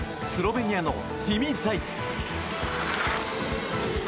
スロベニアのティミ・ザイツ。